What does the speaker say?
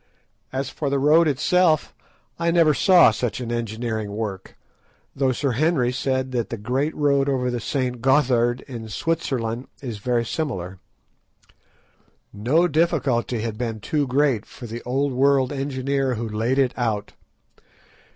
As for the road itself, I never saw such an engineering work, though Sir Henry said that the great road over the St. Gothard in Switzerland is very similar. No difficulty had been too great for the Old World engineer who laid it out.